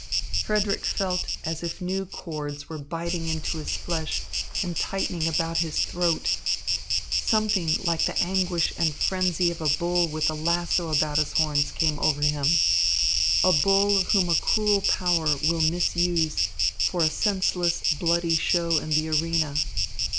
Frederick felt as if new cords were biting into his flesh and tightening about his throat. Something like the anguish and frenzy of a bull with a lasso about its horns came over him a bull whom a cruel power will misuse for a senseless, bloody show in the arena.